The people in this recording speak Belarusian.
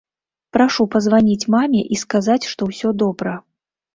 Прашу пазваніць маме і сказаць, што ўсё добра.